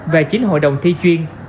và chín hội đồng thi chuyên